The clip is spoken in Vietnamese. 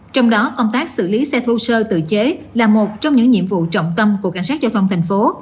trong đó công tác xử lý xe thô sơ tự chế là một trong những nhiệm vụ trọng tâm của cảnh sát giao thông thành phố